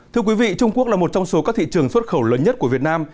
thưa quý vị trung quốc là một trong số các thị trường xuất khẩu lớn nhất của việt nam